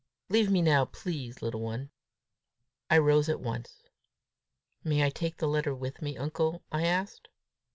_ Leave me now, please, little one." I rose at once. "May I take the letter with me, uncle?" I asked.